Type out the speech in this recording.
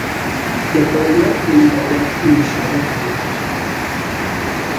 جبار یار تینا اُراٹی مشاعرہ کریکہ